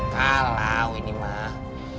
kalau ini mah